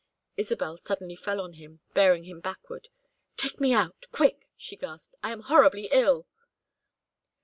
Isabel suddenly fell on him, bearing him backward. "Take me out quick!" she gasped. "I am horribly ill!"